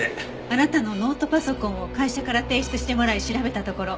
あなたのノートパソコンを会社から提出してもらい調べたところ